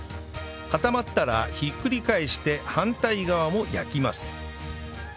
固まったらひっくり返して反対側を焼きます